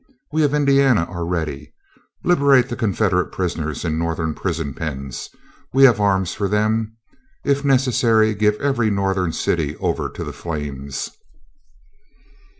We of Indiana are ready. Liberate the Confederate prisoners in Northern prison pens! We have arms for them. If necessary, give every Northern city over to the flames."